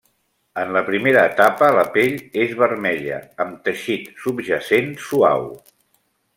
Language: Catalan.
En la primera etapa la pell és vermella amb teixit subjacent suau.